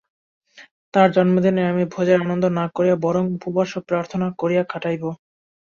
তাঁহার জন্মদিনে আমি ভোজের আনন্দ না করিয়া বরং উপবাস ও প্রার্থনা করিয়া কাটাইব।